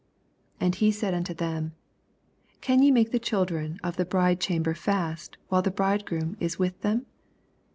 84 And he said unto them, Can ye make the children of the bridecham ber fast, while the bridegroom is with them?